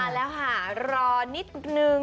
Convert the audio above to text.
แล้วค่ะรอนิดนึง